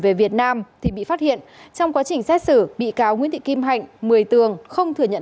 về việt nam thì bị phát hiện trong quá trình xét xử bị cáo nguyễn thị kim hạnh một mươi tường không thừa nhận